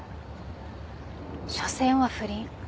しょせんは不倫。